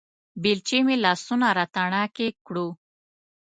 بېلچې مې لاسونه راتڼاکې کړو